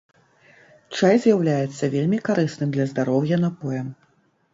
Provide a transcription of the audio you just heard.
Чай з'яўляецца вельмі карысным для здароўя напоем.